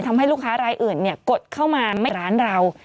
ทำให้ลูกค้ารายอื่นกดเข้ามาร้านเรา